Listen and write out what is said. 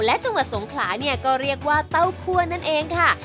และจังหวัดสงขลาเนี่ยก็เรียกว่าเต้าคั่วนั่นเองค่ะ